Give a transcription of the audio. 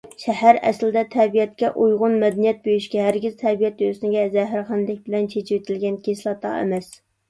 شەھەر ئەسلىدە تەبىئەتكە ئۇيغۇن مەدەنىيەت بۆشۈكى، ھەرگىز تەبىئەت ھۆسنىگە زەھەرخەندىلىك بىلەن چېچىۋېتىلگەن كىسلاتا ئەمەس.